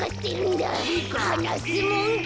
はなすもんか。